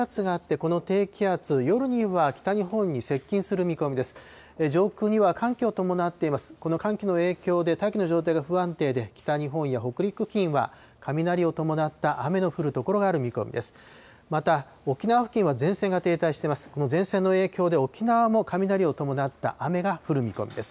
この寒気の影響で、大気の状態が不安定で、北日本や北陸付近は、雷を伴った雨の降る所がある見込みです。